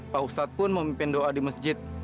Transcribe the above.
pak ustadz pun memimpin doa di masjid